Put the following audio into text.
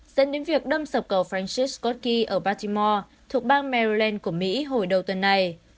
dẫn đến việc đâm sập cầu francis scott key ở baltimore thuộc bang maryland của mỹ hồi đầu tuần này